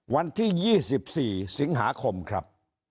วันที่๒๔สิงหาคมครับ